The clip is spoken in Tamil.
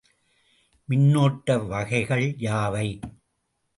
மின்னோட்ட வகைகள் யாவை?